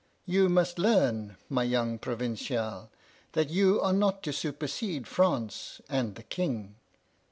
You must learn, my young provincial, that you are not to supersede France and the King.